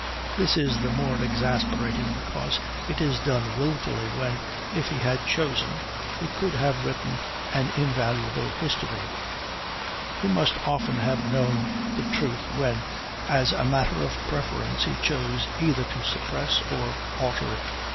This is the more exasperating because it is done wilfully, when, if he had chosen, he could have written an invaluable history; he must often have known the truth when, as a matter of preference, he chose either to suppress or alter it.